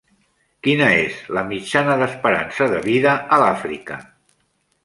Quina és la mitjana d'esperança de vida a l'Àfrica?